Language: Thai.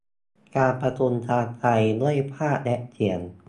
การประชุมทางไกลด้วยภาพและเสียง